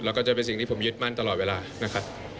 แล้วก็จะเป็นสิ่งที่ผมยึดมั่นตลอดเวลานะครับ